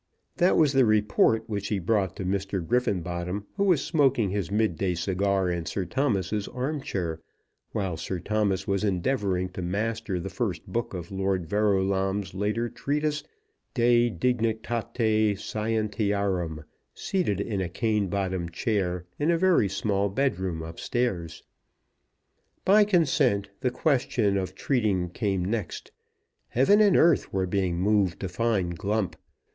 That was the report which he brought to Mr. Griffenbottom, who was smoking his midday cigar in Sir Thomas's arm chair, while Sir Thomas was endeavouring to master the first book of Lord Verulam's later treatise "De dignitate scientiarum," seated in a cane bottomed chair in a very small bed room up stairs. By consent the question of treating came next. Heaven and earth were being moved to find Glump.